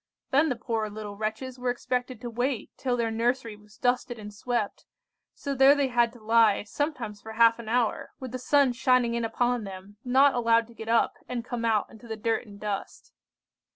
Then the poor little wretches were expected to wait till their nursery was dusted and swept; so there they had to lie, sometimes for half an hour, with the sun shining in upon them, not allowed to get up and come out into the dirt and dust!